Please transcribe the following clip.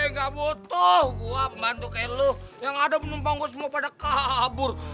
nggak butuh gue bantu kayak lo yang ada penumpang gue semua pada kabur